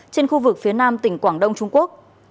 trên khu vực phía nam tỉnh quảng đông trung quốc